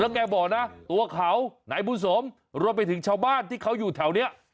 แกบอกนะตัวเขานายบุญสมรวมไปถึงชาวบ้านที่เขาอยู่แถวนี้